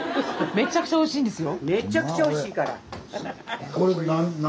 めちゃくちゃおいしいんですよ。